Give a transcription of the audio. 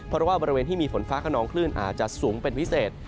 เพราะว่าบริเวณที่มีฝนฟ้าขนองคลื่นอาจจะสูงเป็นพิเศษ